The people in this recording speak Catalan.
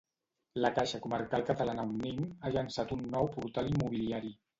La caixa comarcal catalana Unnim ha llançat un nou portal immobiliari.